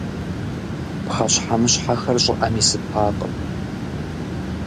Пхъэщхьэмыщхьэхэр щӏыӏэм исыпакъым.